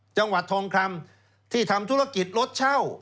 จังหวัดทองคำที่ทำธุรกิจรถเช่า